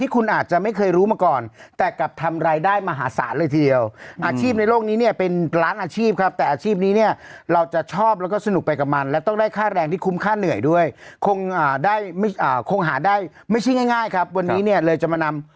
คงอ่าได้ไม่อ่าคงหาได้ไม่ใช่ง่ายง่ายครับวันนี้เนี่ยเลยจะมานำ